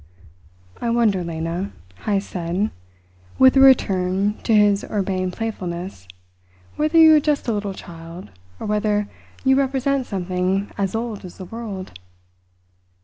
"I wonder, Lena," Heyst said, with a return to his urbane playfulness, "whether you are just a little child, or whether you represent something as old as the world."